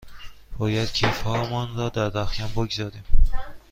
باید کیف هامان را در رختکن بگذاریم.